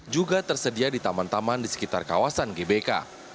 juga tersedia di taman taman di sekitar kawasan gbk